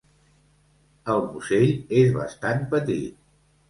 El musell és bastant petit.